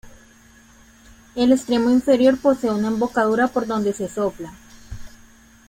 El extremo inferior posee una embocadura por donde se sopla.